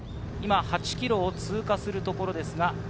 ８ｋｍを通過するところです。